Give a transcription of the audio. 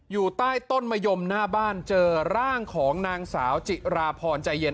อยู่ใต้ต้นมะยมหน้าบ้านเจอร่างของนางสาวจิราพรใจเย็น